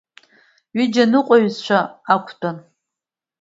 Ҩыџьа аныҟәцаҩцәа ақәтәан.